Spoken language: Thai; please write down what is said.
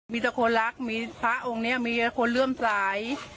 มีคนรักมีพระองค์นี้มีคนเลื่อมสาย